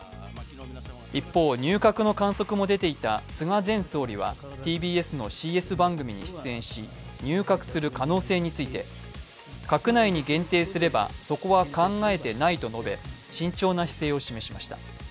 一方、入閣の観測も出ていた菅前総理は、ＴＢＳのＣＳ番組に出演し、入閣する可能性について閣内に限定すればそこは考えていないと述べ慎重な姿勢を示しました。